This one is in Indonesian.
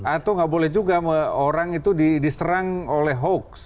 atau nggak boleh juga orang itu diserang oleh hoax